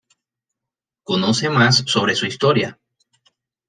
Conoce más sobre su historia.